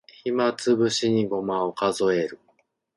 暇つぶしにごまを数える